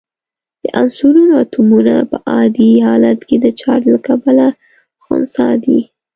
د عنصرونو اتومونه په عادي حالت کې د چارج له کبله خنثی دي.